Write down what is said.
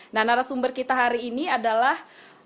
nah narasumber kita hari ini adalah